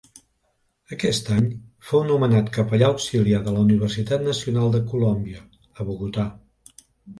Aquest any fou nomenat capellà auxiliar de la Universitat Nacional de Colòmbia, a Bogotà.